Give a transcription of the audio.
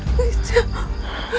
bunda dalam keadaan sehat